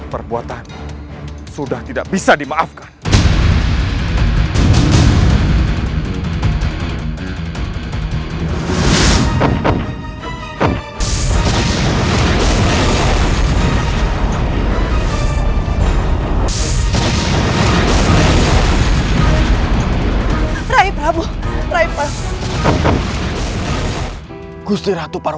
kekuatan suara suling itu